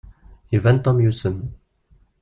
Iban Tom yusem.